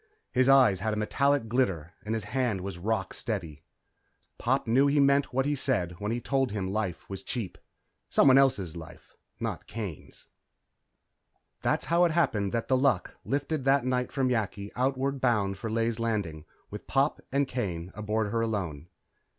His eyes had a metallic glitter and his hand was rock steady. Pop knew he meant what he said when he told him life was cheap. Someone else's life, not Kane's. That's how it happened that The Luck lifted that night from Yakki, outward bound for Ley's Landing, with Pop and Kane aboard her alone.